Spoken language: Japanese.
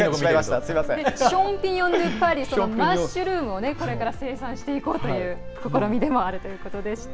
シャンピニオン・ド・パリマッシュルームをこれから生産していこうという試みであるということでした。